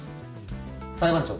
裁判長。